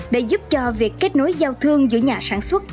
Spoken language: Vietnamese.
để giúp cho việc kết nối giao thương giữa nhà sản xuất